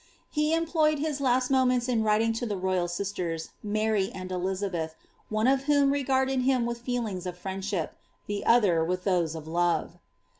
He employed his last moments in writing to the royal sisters, Mary and Elizabeth, one of whom regarded him with feelings of friendship, the other with those of love.